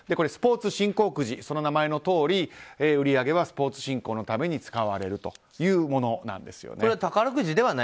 スポーツ振興くじその名前のとおり売り上げはスポーツ振興に使われるというものなんですよね。